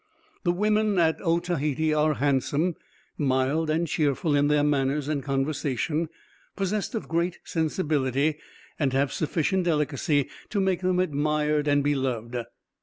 The women at Otaheite are handsome, mild and cheerful in their manners and conversation, possessed of great sensibility, and have sufficient delicacy to make them admired and beloved.